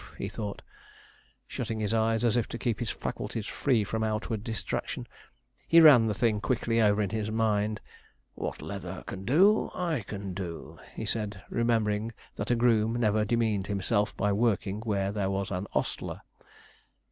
he thought, shutting his eyes, as if to keep his faculties free from outward distraction. He ran the thing quickly over in his mind. 'What Leather can do, I can do,' he said, remembering that a groom never demeaned himself by working where there was an ostler.